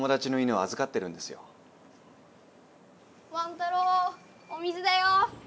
太郎お水だよ。